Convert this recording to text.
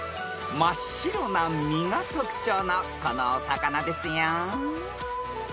［真っ白な身が特徴のこのお魚ですよ］